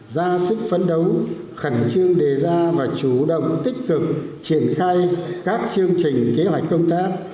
ra sức phấn đấu khẩn trương đề ra và chủ động tích cực triển khai các chương trình kế hoạch công tác